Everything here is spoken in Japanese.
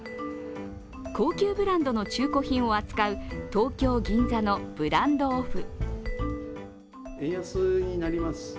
高級ブランドの中古品を扱う東京・銀座のブランドオフ。